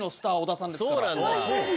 そうなんですよ。